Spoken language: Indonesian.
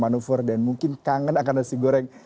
manuver dan mungkin kangen akan nasi goreng